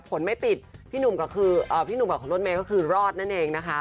ผลไม่ปิดพี่หนุ่มก็คือพี่หนุ่มกับของรถเมย์ก็คือรอดนั่นเองนะคะ